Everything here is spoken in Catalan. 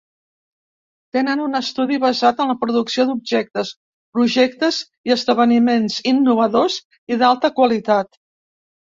Tenen un estudi basat en la producció d'objectes, projectes i esdeveniments innovadors i d'alta qualitat.